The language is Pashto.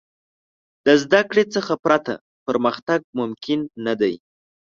د زدهکړې څخه پرته، پرمختګ ممکن نه دی.